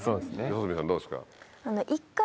四十住さんどうですか？